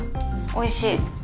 おいしい。